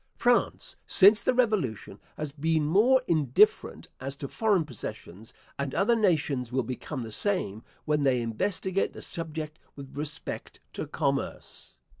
France, since the Revolution, has been more indifferent as to foreign possessions, and other nations will become the same when they investigate the subject with respect to commerce.